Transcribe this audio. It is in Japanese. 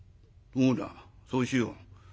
そうだそうしよう。